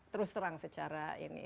terus terang secara ini